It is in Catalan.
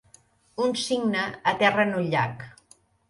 Un cigne aterra en un llac.